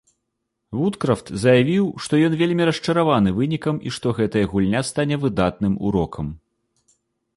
Вудкрафт заявіў, што ён вельмі расчараваны вынікам і што гэтая гульня стане выдатным урокам.